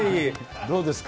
どうですか。